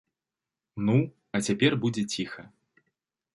Ну, а цяпер будзе ціха.